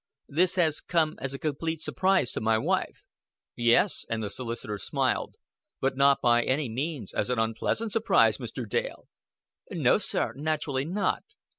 "This has come as a complete surprise to my wife." "Yes," and the solicitor smiled, "but not by any means as an unpleasant surprise, Mr. Dale!" "No, sir, naturally not.